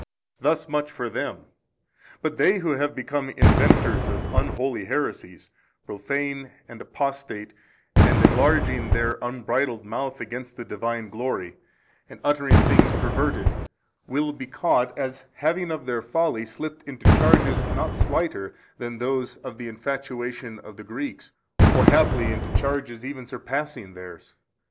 A. Thus much for them : but they who have become inventors of unholy heresies, profane and apostate and enlarging their unbridled mouth against the Divine glory and uttering things perverted, will be caught as having of their folly slipped into charges not slighter than those of the infatuation of the Greeks or haply into charges even surpassing theirs.